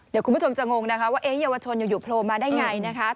เดี๋ยวคุณผู้ชมจะงงนะคะว่าเยาวชนอยู่โผล่มาได้ไงนะคะ